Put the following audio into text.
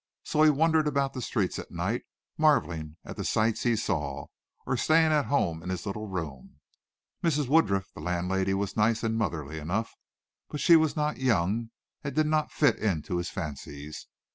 So he wandered about the streets at night, marveling at the sights he saw, or staying at home in his little room. Mrs. Woodruff, the landlady, was nice and motherly enough, but she was not young and did not fit into his fancies.